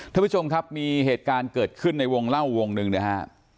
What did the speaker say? ท่านผู้ชมครับมีเหตุการณ์เกิดขึ้นในวงเล่าวงหนึ่งนะฮะ